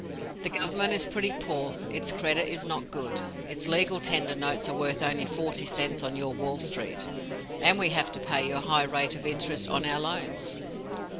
The government is pretty poor; its credit is not good; its legal tender notes are worth only forty cents on your Wall Street; and we have to pay you a high rate of interest on our loans.